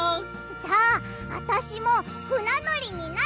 じゃああたしもふなのりになる！